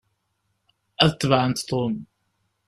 Ad tebεent Tom.